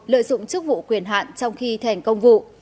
lợi dụng chức vụ quyền hạn trong khi thành công vụ